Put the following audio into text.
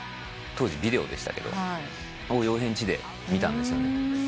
当時ビデオでしたけどそれを洋平んちで見たんですよね。